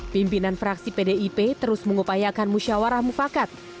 pimpinan fraksi pdip terus mengupayakan musyawarah mufakat